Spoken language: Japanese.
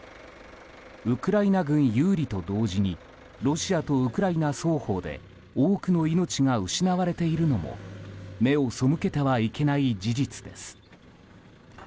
ウクライナ軍有利と同時にロシアとウクライナ双方で多くの命が失われているのも目を背けてはいけない事実です。